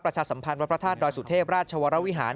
ประชาสัมพันธ์วันพระธาตุรอยสุทธิบราชวรวิหา